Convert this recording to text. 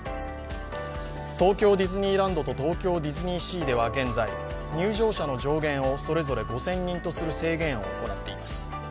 東京ディズニーランドと東京ディズニーシーでは現在、入場者の上限をそれぞれ５０００人とする制限を行っています。